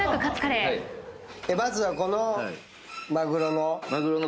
まずはこのマグロの。